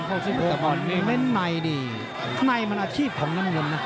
วิันไหนดิในมันอาชีพของน้ำเงิน